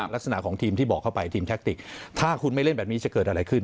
ลักษณะของทีมที่บอกเข้าไปทีมแทคติกถ้าคุณไม่เล่นแบบนี้จะเกิดอะไรขึ้น